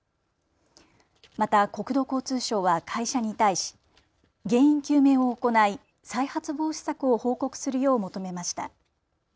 また国土交通省は会社に対し原因究明を行い再発防止策を報告するよう求めました。